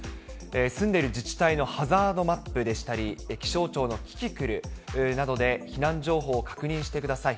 住んでいる自治体のハザードマップでしたり、気象庁のキキクルなどで、避難情報を確認してください。